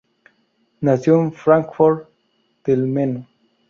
Nació en Fráncfort del Meno.